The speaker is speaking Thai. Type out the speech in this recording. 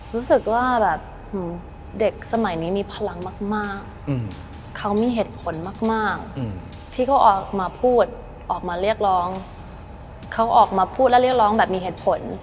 รู้สึกว่าแบบเด็กสมัยนี้มีพลังมากเขามีเหตุผลมากที่เขาออกมาพูดออกมาเรียกร้องเขาออกมาพูดและเรียกร้องแบบมีเหตุผล